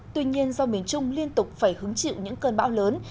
tuy nhiên do miền trung liên tục phải hứng chịu những cơn bão lớn